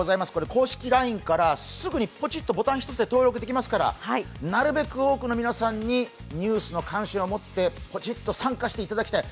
公式ＬＩＮＥからすぐにポチッとボタン１つで登録できますからなるべく多くの皆さんにニュースの関心を持ってポチッと参加していただきたい。